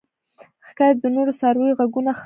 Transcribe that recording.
ښکاري د نورو څارویو غږونه ښه اوري.